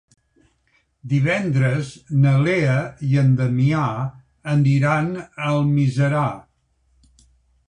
Divendres na Lea i en Damià aniran a Almiserà.